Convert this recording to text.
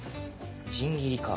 みじん切りかぁ。